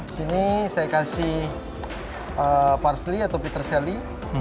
di sini saya kasih parsley atau peterseli